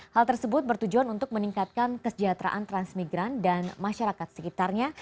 hal tersebut bertujuan untuk meningkatkan kesejahteraan transmigran dan masyarakat sekitarnya